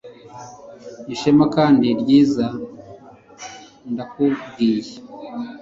ishema kandi ryiza, ndakubwiye